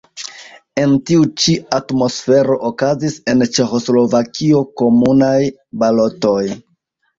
En tiu ĉi atmosfero okazis en Ĉeĥoslovakio komunaj balotoj.